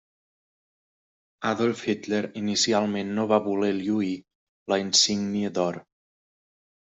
Adolf Hitler inicialment no va voler lluir la Insígnia d'Or.